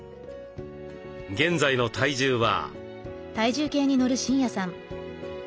現在の体重は。